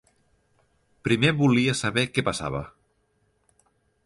Primer volia saber què passava.